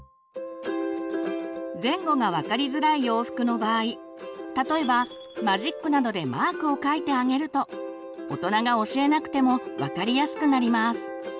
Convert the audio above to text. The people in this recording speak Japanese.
前後が分かりづらい洋服の場合例えばマジックなどでマークを書いてあげると大人が教えなくても分かりやすくなります。